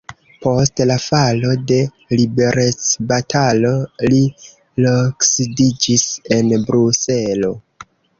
Post la falo de liberecbatalo li loksidiĝis en Bruselo.